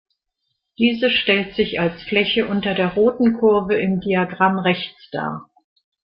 Diese stellt sich als Fläche unter der roten Kurve im Diagramm rechts dar.